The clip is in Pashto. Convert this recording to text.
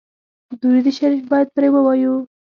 درود شریف باید پرې ووایو.